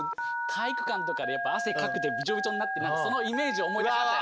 体育館とかでやっぱ汗かくんでビチョビチョになってそのイメージを思い出しましたね。